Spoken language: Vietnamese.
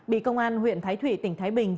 bị công an huyện thái thủy tỉnh thái bình